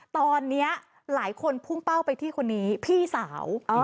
ตอนนี้หลายคนพุ่งเป้าไปที่คนนี้พี่สาว